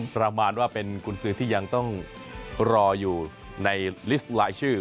ประมาณว่าเป็นกุญสือที่ยังต้องรออยู่ในลิสต์ลายชื่อ